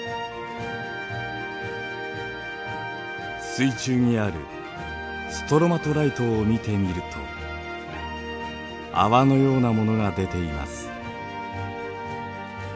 水中にあるストロマトライトを見てみると泡のようなものが出ています。